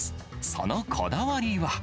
そのこだわりは。